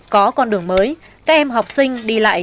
có con đường mới các em học sinh đi lại